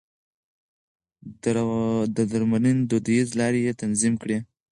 د درملنې دوديزې لارې يې تنظيم کړې.